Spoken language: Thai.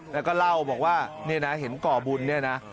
แล้วก็เล่าบอกว่านี่นะเห็นก่อบุญเนี่ยนะ